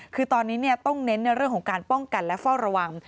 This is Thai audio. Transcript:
คือตอนนี้ต้องเน้นในเรื่องของการป้องกันและเฝ้าระวัง